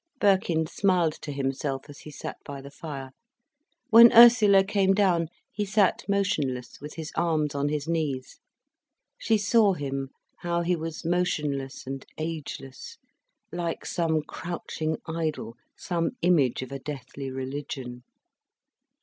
Birkin smiled to himself as he sat by the fire. When Ursula came down he sat motionless, with his arms on his knees. She saw him, how he was motionless and ageless, like some crouching idol, some image of a deathly religion.